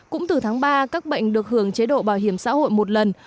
cũng từ tháng ba các bệnh được hưởng chế độ bảo hiểm xã hội một lần